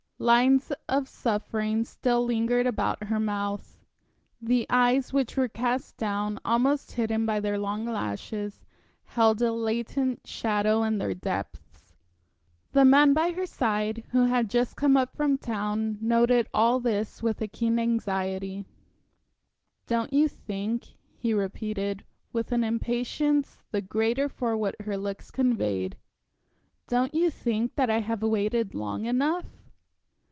Lines of suffering still lingered about her mouth. The eyes which were cast down, almost hidden by their long lashes, held a latent shadow in their depths. The man by her side, who had just come up from town, noted all this with a keen anxiety. "Don't you think," he repeated, with an impatience the greater for what her looks conveyed, "don't you think that I have waited long enough?"